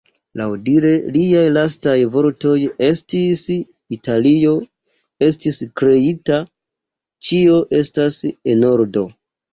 Laŭdire liaj lastaj vortoj estis "Italio estis kreita, ĉio estas en ordo.